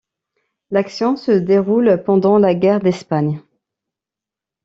L'action se déroule pendant la guerre d'Espagne.